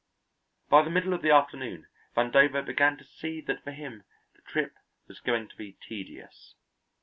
By the middle of the afternoon, Vandover began to see that for him the trip was going to be tedious.